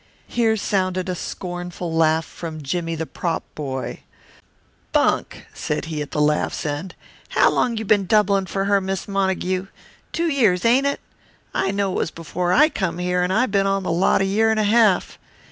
Here sounded a scornful laugh from Jimmie, the prop boy. "Bunk!" said he at the laugh's end. "How long you been doublin' for her, Miss Montague? Two years, ain't it? I know it was before I come here, and I been on the lot a year and a half.